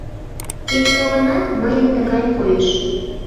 Кеч-мо гынат, мыйын тыгай койыш.